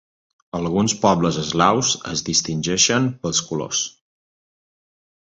Alguns pobles eslaus es distingeixen pels colors.